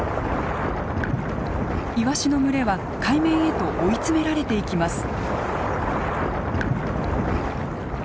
イワシの群れは海面へと追い詰められていきます。